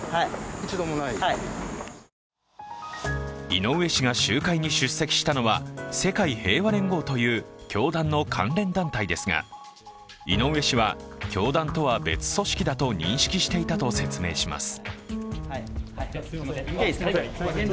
井上氏が集会に出席したのは、世界平和連合という教団の関連団体ですが、井上氏は、教団とは別組織だと認識していたと説明します。